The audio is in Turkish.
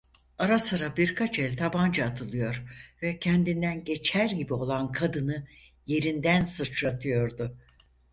Ara sıra birkaç el tabanca atılıyor ve kendinden geçer gibi olan kadını yerinden sıçratıyordu.